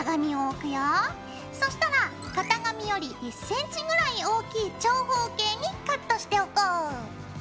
そしたら型紙より１ｃｍぐらい大きい長方形にカットしておこう。